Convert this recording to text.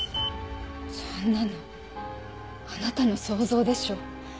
そんなのあなたの想像でしょ。